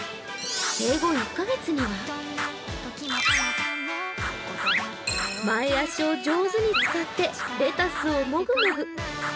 生後１カ月には、前足を上手に使ってレタスをもぐもぐ。